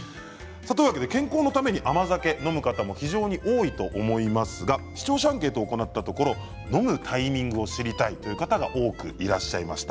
健康のために甘酒を飲む方も非常に多いと思いますが視聴者アンケートを行ったところ飲むタイミングを知りたいという方が多くいらっしゃいました。